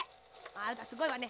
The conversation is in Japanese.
あなたすごいわね。